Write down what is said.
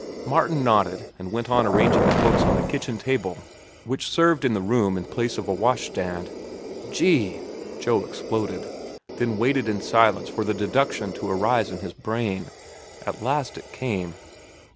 Martin nodded, and went on arranging the books on a kitchen table which served in the room in place of a wash stand. "Gee!" Joe exploded, then waited in silence for the deduction to arise in his brain. At last it came.